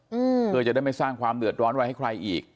อืมเพื่อจะได้ไม่สร้างความเดือดร้อนไว้ให้ใครอีก